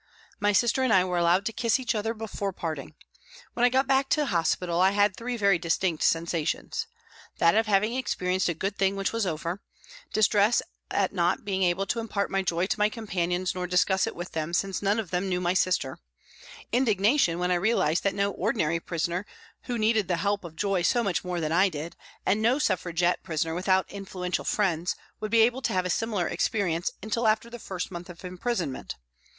My sister and I were allowed to kiss each other before parting. When I got back to hospital I had three very distinct sensations. That of having experienced a good thing which was over ; distress at not being able to impart my joy to my companions nor discuss it with them, since none of them knew my sister ; indignation when I realised that no ordinary prisoner, who needed the help of joy so much more than I did, and no Suffragette prisoner without influential friends, would be able to have a similar experience until after the first month of imprisonment.